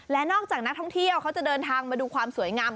และนอกจากนักท่องเที่ยวเขาจะเดินทางมาดูความสวยงาม